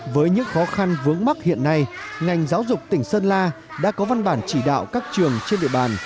với những khó khăn vướng mắc hiện nay ngành giáo dục tỉnh sơn la đã có văn bản chỉ đạo các trường trên địa bàn